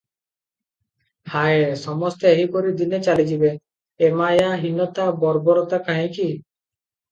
ହାୟ! ସମସ୍ତେ ଏହିପରି ଦିନେ ଚାଲିଯିବେ- ଏମାୟା, ହୀନତା, ବର୍ବରତା କାହିଁକି?